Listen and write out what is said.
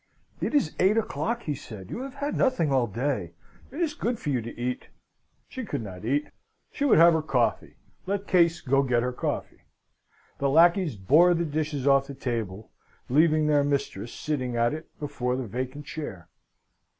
"It is eight o'clock," he said. "You have had nothing all day. It is good for you to eat." She could not eat. She would have her coffee. Let Case go get her her coffee. The lacqueys bore the dishes off the table, leaving their mistress sitting at it before the vacant chair.